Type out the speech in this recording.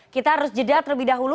kita harus jeda terlebih dahulu